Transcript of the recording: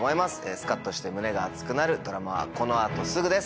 スカっとして胸が熱くなるドラマはこの後すぐです。